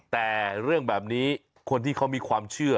แต่เรื่องแบบนี้คนที่เขามีความเชื่อ